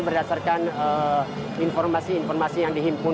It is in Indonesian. berdasarkan informasi informasi yang dihimpun